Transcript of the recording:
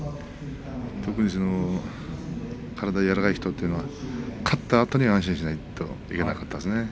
特に体が柔らかい人というのは勝ったあとに安心しないといけませんでしたね。